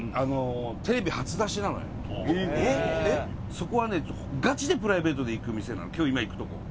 そこはねガチでプライベートで行く店なの今日今行くとこ。